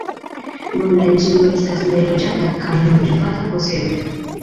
Nun la insulo estas neloĝata kaj en privata posedo.